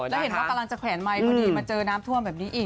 แล้วเห็นว่ากำลังจะแขวนไมค์พอดีมาเจอน้ำท่วมแบบนี้อีก